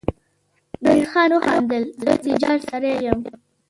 ميرويس خان وخندل: زه تجار سړی يم.